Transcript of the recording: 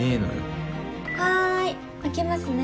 ピッはい開けますね。